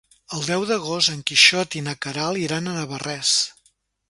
El deu d'agost en Quixot i na Queralt iran a Navarrés.